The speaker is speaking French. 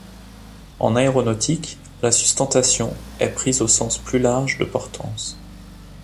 En aéronautique, la sustentation est prise au sens plus large de portance.